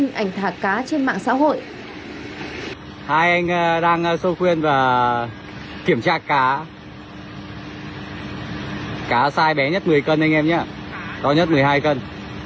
cá thả cá là một loại cá đẹp nhất to nhất một mươi hai cân